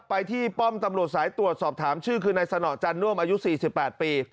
ไปที่ป้อมตำรวจสายตรวจสอบถามชื่อคือนายสนอจันน่วมอายุ๔๘ปี